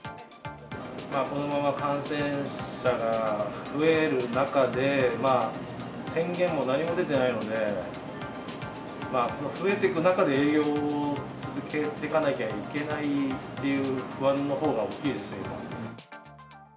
このまま感染者が増える中で、宣言も何も出てないので、増えていく中で営業を続けていかなきゃいけないっていう不安のほうが大きいですね。